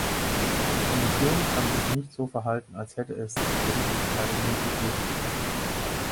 Die Kommission kann sich nicht so verhalten, als hätte es die Gerichtsentscheidung nie gegeben.